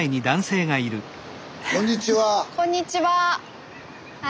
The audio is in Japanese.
こんにちは。